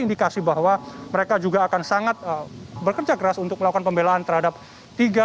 indikasi bahwa mereka juga akan sangat bekerja keras untuk melakukan pembelaan terhadap tiga